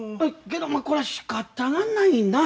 けどまあこれはしかたがないな。